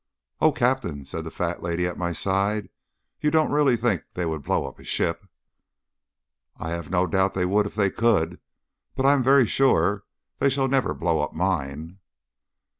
"O Captain!" said the fat lady at my side, "you don't really think they would blow up a ship?" "I have no doubt they would if they could. But I am very sure they shall never blow up mine."